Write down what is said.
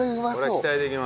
期待できる。